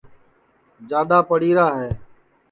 جاڈؔا پڑی را ہے